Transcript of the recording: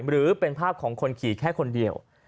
หรือเป็นภาพของคนขี่แค่คนเดียว